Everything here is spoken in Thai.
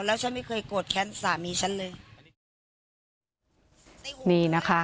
แล้วฉันไม่เคยโกรธแค้นสามีฉันเลยนี่นะคะ